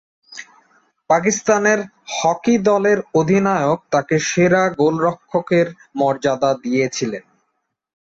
পাকিস্তানের হকি দলের অধিনায়ক তাকে সেরা গোলরক্ষকের মর্যাদা দিয়েছিলেন।